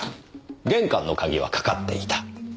玄関の鍵は掛かっていた。